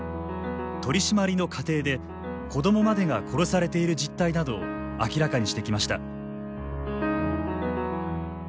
取締りの過程で子どもまでが殺されている実態などを明らかにしてきました。